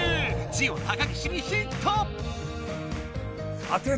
ジオ高岸にヒット！